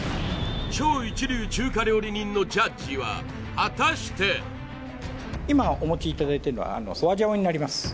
超一流中華料理人のジャッジは果たして今お持ちいただいてるのは花椒になります